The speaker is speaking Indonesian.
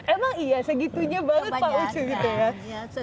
emang iya segitunya banget pak ucu gitu ya